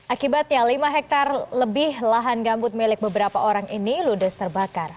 akibatnya lima hektare lebih lahan gambut milik beberapa orang ini ludes terbakar